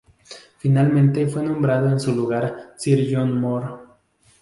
Finalmente fue nombrado en su lugar Sir John Moore.